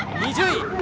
２０位。